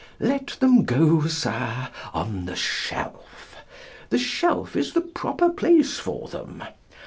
Let them go, Sir, on the shelf. The shelf is the proper place for them.